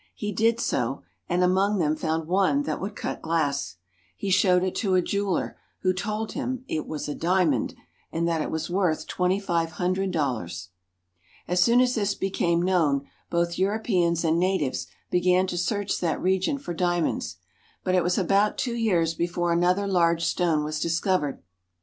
He did so and among them found ] lone that would cut glass. He showed it to a jeweler, who ' T told him it was a diamond, and that it was worth twenty I five hundred dollars. As soon as this became known, both Europeans and ' natives began to search that region for diamonds ; but it was about two years before another large stone was dis Lcovered.